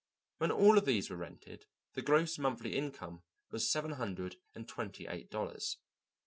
When all of these were rented, the gross monthly income was seven hundred and twenty eight dollars.